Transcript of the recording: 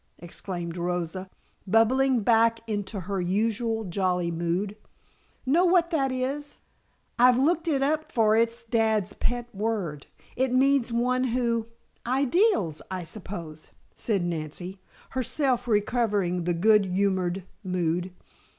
exclaimed Rosa, bubbling back into her usual jolly mood. "Know what that is? I've looked it up for it's dad's pet word. It means one who " "Ideals I suppose," said Nancy, herself recovering the good humored mood.